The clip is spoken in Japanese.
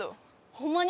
ホンマに？